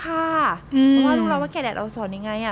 เพราะว่าลูกเราว่าแก่แดดเราสอนยังไงอะ